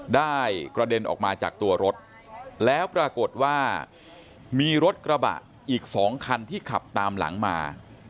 ได้กระเด็นออกมาจากตัวรถแล้วปรากฏว่ามีรถกระบะอีก๒คันที่ขับตามหลังมา